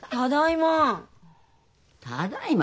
ただいま。